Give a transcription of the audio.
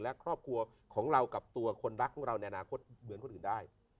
และครอบครัวของเรากับตัวคนรักของเราในอนาคตเหมือนคนอื่นได้